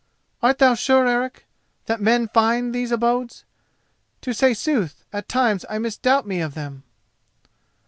"Art thou sure, Eric, that men find these abodes? To say sooth, at times I misdoubt me of them."